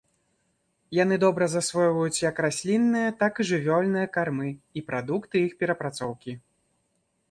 Яны добра засвойваюць як раслінныя, так і жывёльныя кармы і прадукты іх перапрацоўкі.